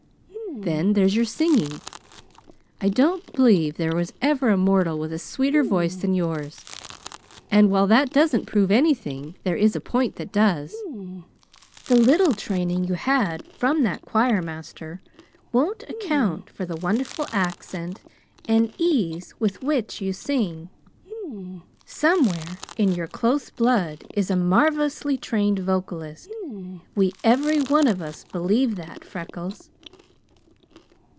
"Then there's your singing. I don't believe there ever was a mortal with a sweeter voice than yours, and while that doesn't prove anything, there is a point that does. The little training you had from that choirmaster won't account for the wonderful accent and ease with which you sing. Somewhere in your close blood is a marvelously trained vocalist; we every one of us believe that, Freckles.